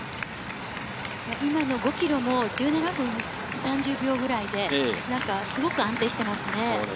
今の５ｋｍも１７分３０秒くらいで、すごく安定していますね。